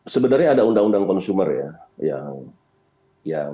sebenarnya ada undang undang konsumer ya